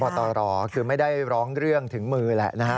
ตรคือไม่ได้ร้องเรื่องถึงมือแหละนะฮะ